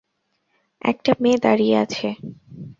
একটা মেয়ে দাঁড়িয়ে আছে।